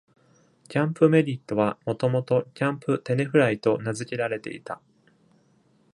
キャンプ・メリットは元々キャンプ・テネフライと名付けられていた。